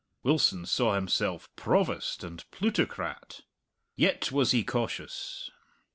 Wilson saw himself provost and plutocrat. Yet was he cautious.